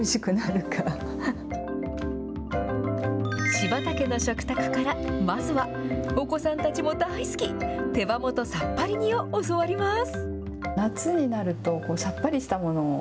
柴田家の食卓から、まずは、お子さんたちも大好き、手羽元さっぱり煮を教わります。